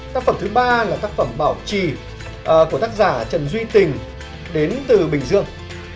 tác phẩm thứ ba là tác phẩm bảo trì của tác giả trần duy tình đến từ bình dương